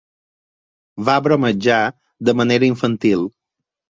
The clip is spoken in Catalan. Va bromejar de manera infantil.